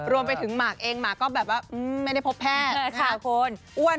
รวมไปถึงหมากเองหมากก็แบบว่าไม่ได้พบแพทย์ค่ะคุณ